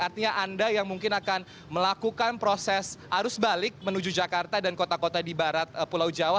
artinya anda yang mungkin akan melakukan proses arus balik menuju jakarta dan kota kota di barat pulau jawa